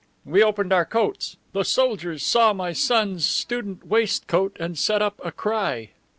We opened our coats. The soldiers saw my son's student waistcoat and set up a cry.